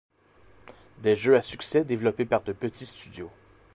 Des Jeux à succès développés par de petit studios.